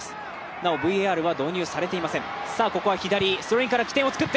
なおＶＡＲは導入されていません。